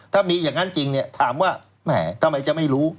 ถ้ามีอย่างนั้นจริงเนี่ยถามว่าแหมทำไมจะไม่รู้